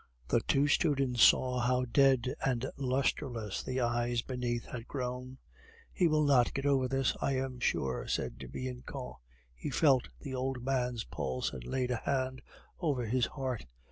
The two students saw how dead and lustreless the eyes beneath had grown. "He will not get over this, I am sure," said Bianchon. He felt the old man's pulse, and laid a hand over his heart.